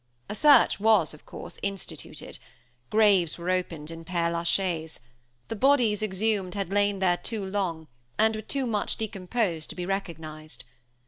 A search was, of course, instituted. Graves were opened in Pere la Chaise. The bodies exhumed had lain there too long, and were too much decomposed to be recognized.